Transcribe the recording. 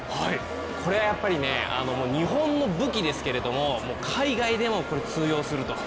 これはやっぱり日本の武器ですけれども、海外でも通用すると。